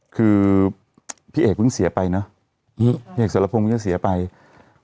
คือพี่เอกสารพงธ์ก็เสียไปเนอะ